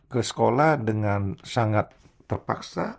ke sekolah dengan sangat terpaksa